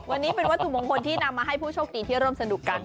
วันนี้เป็นวัตถุมงคลที่นำมาให้ผู้โชคดีที่ร่วมสนุกกัน